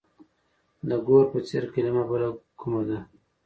د ګور په څېر کلمه بله کومه ده؟